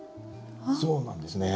そうなんですね。